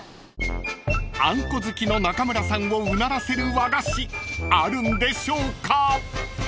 ［あんこ好きの中村さんをうならせる和菓子あるんでしょうか？］